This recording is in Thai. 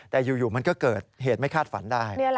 แต่อยู่มันก็เกิดเหตุไม่คาดฝันได้